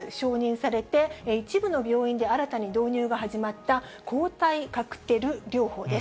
１つは先月承認されて、一部の病院で新たに導入が始まった、抗体カクテル療法です。